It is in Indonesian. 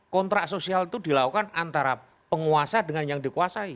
kontrak sosial itu dilakukan antara penguasa dengan yang dikuasai